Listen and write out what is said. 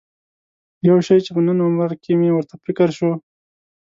یو شی چې په نن عمره کې مې ورته فکر شو.